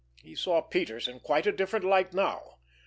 He saw Peters in quite a different light now!